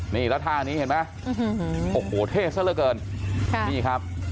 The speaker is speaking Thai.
นี่แล้วท่านี้เห็นไหมโอ้โหเท่ซะละเกินค่ะนี่ครับ